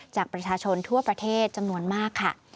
จากประชาชนทั่วประเทศจำนวนมากค่ะ